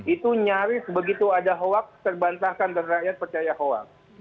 itu nyaris begitu ada hoax terbantahkan dan rakyat percaya hoax